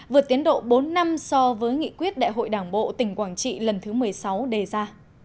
vượt tiến độ bốn năm so với nghị quyết đại hội đảng bộ tỉnh quảng trị lần thứ một mươi sáu đề ra